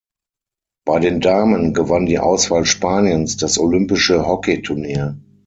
Bei den Damen gewann die Auswahl Spaniens das olympische Hockeyturnier.